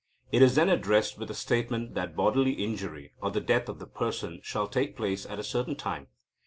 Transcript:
It is then addressed with a statement that bodily injury, or the death of the person, shall take place at a certain time.